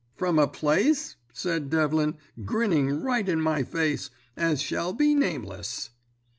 "'From a place,' said Devlin, grinning right in my face, 'as shall be nameless.'